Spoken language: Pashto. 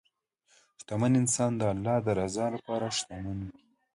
شتمن انسان د الله د رضا لپاره شتمن وي.